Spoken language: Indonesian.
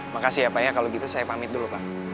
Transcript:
makasih ya pak ya kalau gitu saya pamit dulu pak